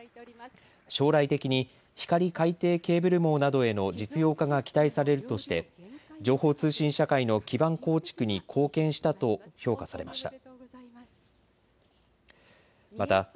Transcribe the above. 将来的に光海底ケーブル網などへの実用化が期待されるとして情報通信社会の基盤構築に貢献したと評価されました。